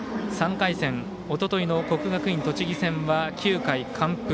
３回戦、おとといの国学院栃木戦は９回完封。